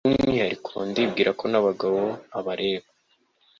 by'umwihariko, ndibwira ko n'abagabo abareba